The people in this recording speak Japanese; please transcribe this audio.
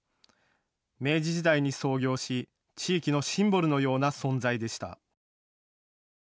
明治時代に創業し、地域のシンボルのような存在でした。